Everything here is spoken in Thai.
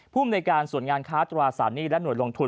ภูมิในการส่วนงานค้าตราสารหนี้และหน่วยลงทุน